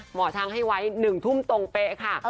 หมอช้างให้ไว้๑ทุ่มตรงเป๊ะค่ะ